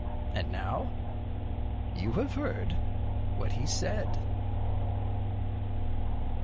And now you have read what he said.